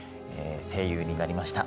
声優になりました。